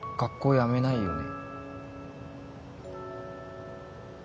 やめないよね？